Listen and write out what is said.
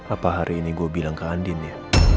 apa hari ini gue bilang ke andin ya